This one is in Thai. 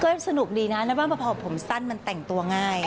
ก็สนุกดีนะแล้วว่าพอผมสั้นมันแต่งตัวง่าย